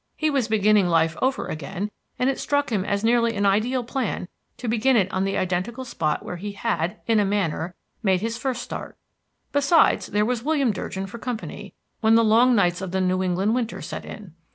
He was beginning life over again, and it struck him as nearly an ideal plan to begin it on the identical spot where he had, in a manner, made his first start. Besides, there was William Durgin for company, when the long nights of the New England winter set in.